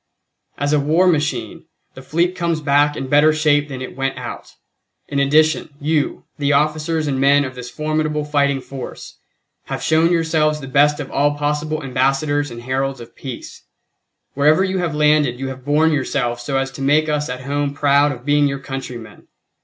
"As a war machine, the fleet comes back in better shape than it went out. In addition, you, the officers and men of this formidable fighting force, have shown yourselves the best of all possible ambassadors and heralds of peace. Wherever you have landed you have borne yourselves so as to make us at home proud of being your countrymen.